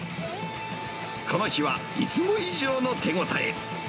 この日はいつも以上の手応え。